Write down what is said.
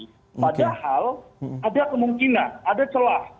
padahal ada kemungkinan ada celah